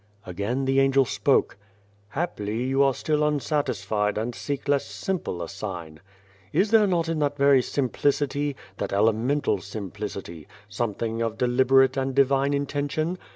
Again the Angel spoke :" Haply you are still unsatisfied and seek less simple a sign. " Is there not in that very simplicity that elemental simplicity something of deliberate and Divine intention